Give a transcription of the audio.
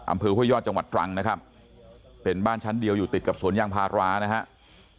ห้วยยอดจังหวัดตรังนะครับเป็นบ้านชั้นเดียวอยู่ติดกับสวนยางพารานะครับ